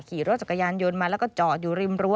ขี่รถจักรยานยนต์มาแล้วก็จอดอยู่ริมรั้